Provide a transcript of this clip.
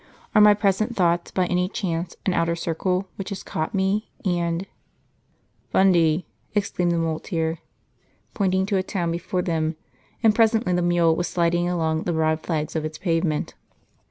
are my present thoughts, by any chance, an outer circle, which has caught me, and "" Fundi !" exclaimed the muleteer, pointing to a town before them ; and presently the mule was sliding along the broad flags of its pavement.